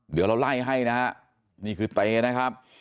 เดี๋ยวเราไล่ให้นะฮะนี่คือเตนะครับ